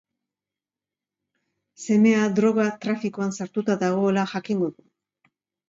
Semea droga trafikoan sartuta dagoela jakingo du.